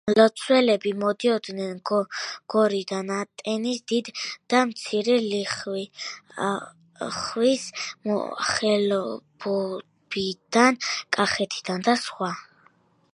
მლოცველები მოდიოდნენ გორიდან, ატენის, დიდი და მცირე ლიახვის ხეობებიდან, კახეთიდან და სხვა.